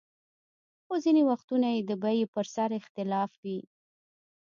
خو ځینې وختونه یې د بیې پر سر اختلاف وي.